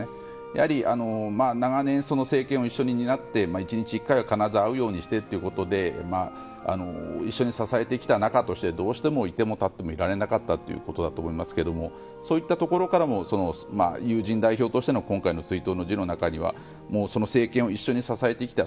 やはり、長年政権を一緒に担って１日１回は必ず会うようにしてということで一緒に支えてきた仲としてどうしてもいてもたってもいられなかったということだと思いますけれどもそういったところからも友人代表としての今回の追悼の辞の中には政権を一緒に支えてきた。